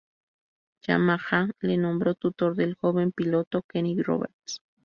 Yamaha le nombró tutor del joven piloto Kenny Roberts.